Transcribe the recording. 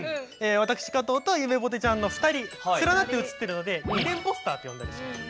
私加藤とゆめぽてちゃんの２人連なって写ってるので２連ポスターと呼んだりします。